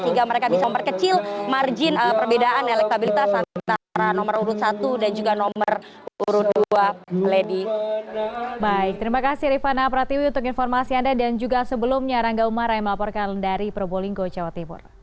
sehingga mereka bisa memperkecil margin perbedaan elektabilitas antara nomor urut satu dan juga nomor urut dua lady